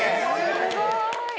「すごい！」